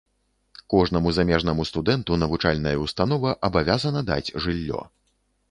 Кожнаму замежнаму студэнту навучальная ўстанова абавязана даць жыллё.